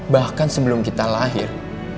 bahkan sebelum kita lahir